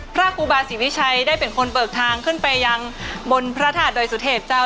พระครูบาศรีวิชัยได้เป็นคนเบิกทางขึ้นไปยังบนพระธาตุดอยสุเทพเจ้า